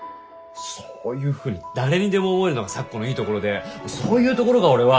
そういうふうに誰にでも思えるのが咲子のいいところでそういうところが俺は。